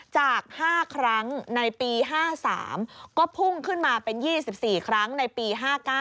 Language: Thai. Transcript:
จาก๕ครั้งในปี๕๓ก็พุ่งขึ้นมาเป็น๒๔ครั้งในปี๕๙